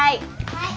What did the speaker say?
はい！